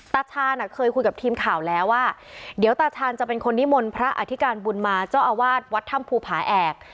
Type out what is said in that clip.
ตาชาญเคยคุยกับทีมข่าวแล้วว่าเดี๋ยวตาชาญจะเป็นคนนิมนต์พระอธิการบุญมาเจ้าอาวาสวัดถ้ำภูผาแอก